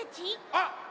あっ！